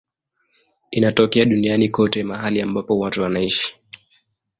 Inatokea duniani kote mahali ambapo watu wanaishi.